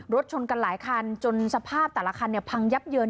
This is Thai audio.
รถชนกันหลายคันจนสภาพแต่ละคันเนี่ยพังยับเยิน